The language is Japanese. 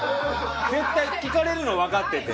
絶対聞かれるのわかってて。